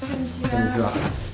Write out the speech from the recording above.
こんにちは。